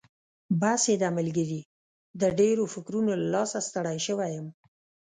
بس یې ده ملګري، د ډېرو فکرونو له لاسه ستړی شوی یم.